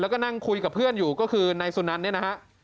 และนั่งคุยกับเพื่อนอยู่เนี้ยนะครับ